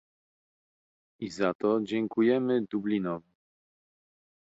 I za to dziękujemy Dublinowi